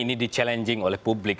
ini di challenging oleh publik